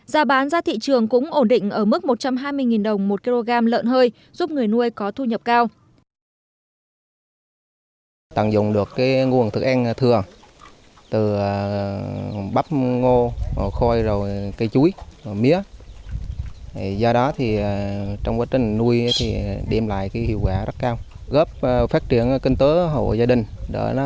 giá bán ra thị trường cũng ổn định ở mức một trăm hai mươi đồng một kg lợn hơi giúp người nuôi có thu nhập cao